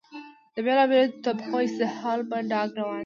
د بېلا بېلو طبقو استحصال په ډاګه روان دی.